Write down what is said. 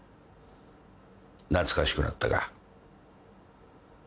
懐かしくなったか。